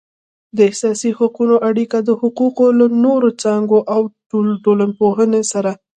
د اساسي حقوقو اړیکه د حقوقو له نورو څانګو او ټولنپوهنې سره